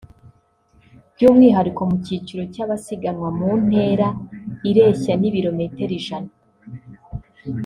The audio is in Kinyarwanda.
by’umwihariko mu cyiciro cy’abasiganwa mu ntera ireshya n’ibilometero ijana